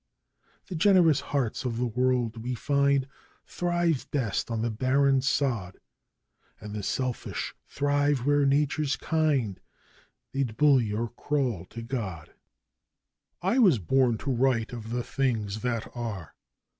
'The generous hearts of the world, we find, thrive best on the barren sod, 'And the selfish thrive where Nature's kind (they'd bully or crawl to God!) 'I was born to write of the things that are!